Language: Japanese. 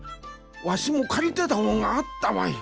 わしもかりてたほんがあったわい。